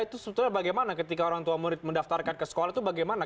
itu sebetulnya bagaimana ketika orang tua murid mendaftarkan ke sekolah itu bagaimana